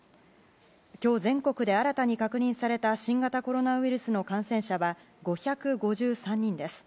今日、全国で新たに確認された新型コロナウイルスの感染者は５５３人です。